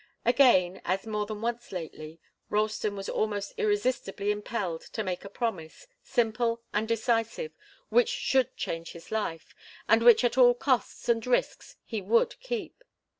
Again, as more than once lately, Ralston was almost irresistibly impelled to make a promise, simple and decisive, which should change his life, and which at all costs and risks he would keep.